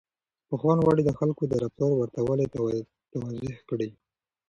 پوهان غواړي د خلکو د رفتار ورته والی توضيح کړي.